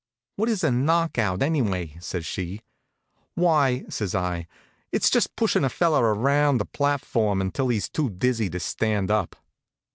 "What is a knockout, anyway?" says she. "Why," says I, "it's just pushin' a feller around the platform until he's too dizzy to stand up."